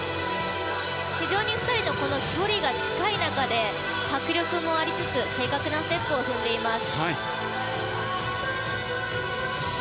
非常に２人の距離が近い中で迫力もありつつ正確なステップを踏んでいます。